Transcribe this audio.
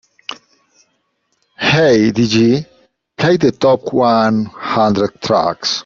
"Hey DJ, play the top one hundred tracks"